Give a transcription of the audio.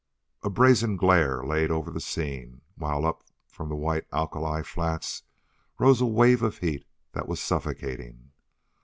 A brazen glare lay over the scene, while up from the white alkali flats rose a wave of heat that was suffocating.